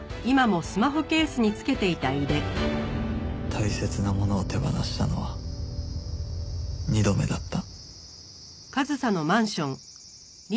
大切なものを手放したのは２度目だった